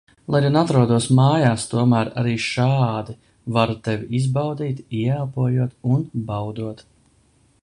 Lai gan atrodos mājās, tomēr arī šādi varu Tevi izbaudīt, ieelpojot un baudot.